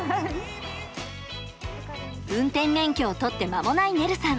運転免許を取って間もないねるさん。